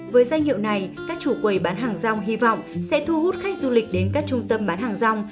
với danh hiệu này các chủ quầy bán hàng rong hy vọng sẽ thu hút khách du lịch đến các trung tâm bán hàng rong